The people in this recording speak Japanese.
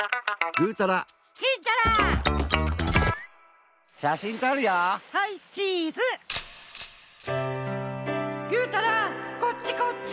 ぐうたらこっちこっち！